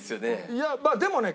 いやまあでもね